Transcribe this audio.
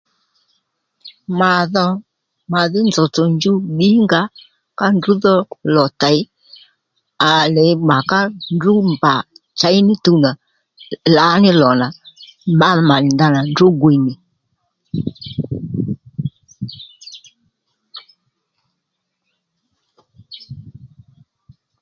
Mà dho mà dhí nzòw tsò njuw ddìngaó ka ndrǔ dho lò tey à lee mà ká ndrǔ mbà chěy ní tuw nà lǎní lò nà má mà nì ndanà ndrǔ gwiy nì